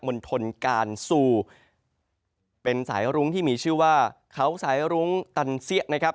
มณฑลการซูเป็นสายรุ้งที่มีชื่อว่าเขาสายรุ้งตันเสี้ยนะครับ